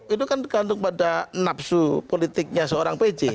itu kan tergantung pada nafsu politiknya seorang pj